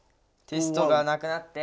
テストがなくなって。